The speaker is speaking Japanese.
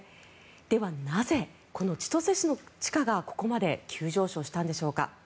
では、なぜこの千歳市の地価がここまで急上昇したんでしょうか。